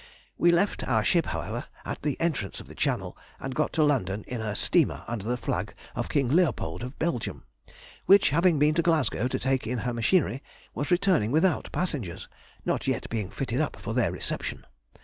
We left our ship, however, at the entrance of the Channel, and got to London in a steamer under the flag of King Leopold, of Belgium, which, having been to Glasgow to take in her machinery, was returning without passengers, not yet being fitted up for their reception.